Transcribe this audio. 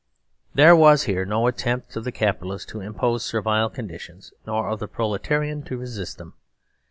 There was here no attempt of the Capitalist to im pose Servile conditions norof the Proletarian to resist them.